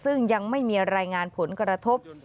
ซึ่งยังไม่มีรายงานผลกระทบ